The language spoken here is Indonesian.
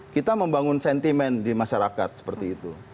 kita membangun sentimen di masyarakat seperti itu